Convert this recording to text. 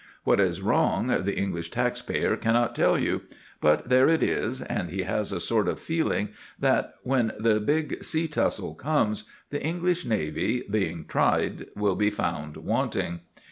What is wrong the English taxpayer cannot tell you; but there it is, and he has a sort of feeling that, when the big sea tussle comes, the English navy, being tried, will be found wanting.